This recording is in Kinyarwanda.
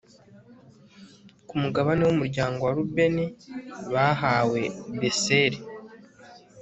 ku mugabane w'umuryango wa rubeni bahawe beseri